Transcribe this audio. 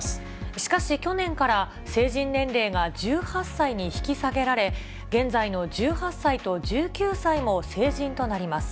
しかし去年から、成人年齢が１８歳に引き下げられ、現在の１８歳と１９歳も成人となります。